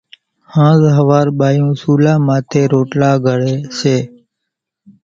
هانز ۿوار ٻايوُن سُولا ماٿيَ روٽلا گھڙيَ سي۔